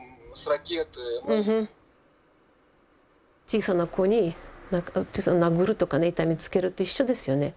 小さな子に殴るとか痛めつけると一緒ですよね。